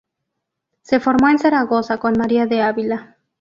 Se formó en Zaragoza con María de Ávila.